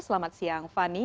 selamat siang fani